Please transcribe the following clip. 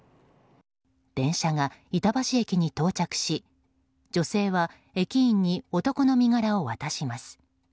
電車が板橋駅に到着し女性は駅員に男の身柄を渡します。